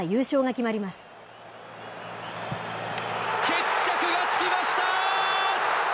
決着がつきました。